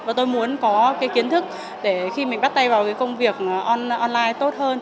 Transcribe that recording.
và tôi muốn có cái kiến thức để khi mình bắt tay vào cái công việc online tốt hơn